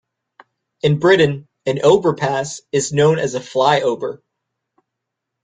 In Britain, an overpass is known as a flyover